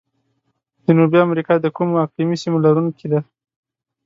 جنوبي امریکا د کومو اقلیمي سیمو لرونکي ده؟